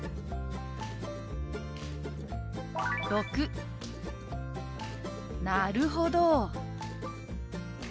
⑥「なるほど！」。